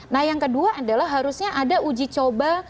nah yang kedua adalah harusnya ada uji coba